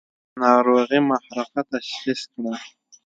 ناروغي محرقه تشخیص کړه.